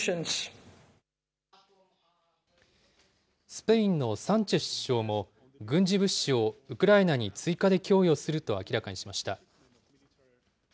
スペインのサンチェス首相も、軍事物資をウクライナに追加で供与すると明らかにしました。